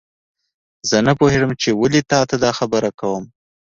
زه نه پوهیږم چې ولې تا ته دا خبره کوم